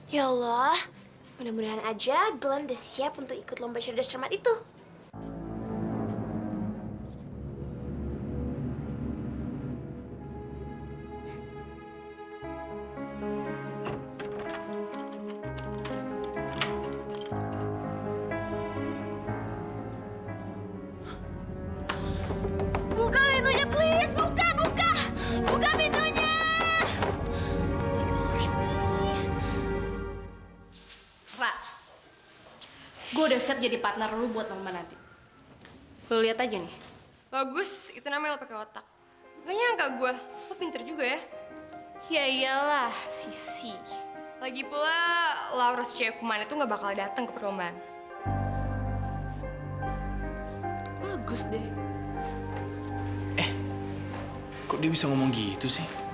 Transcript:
ya allah mudah mudahan aja glenn udah siap untuk ikut lomba cerdas cermat itu